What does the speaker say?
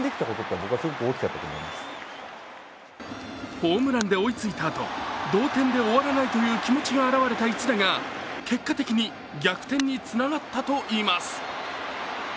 ホームランで追いついたあと、同点で終わらないという気持ちが表れた一打が結果的に逆転につながったといいます。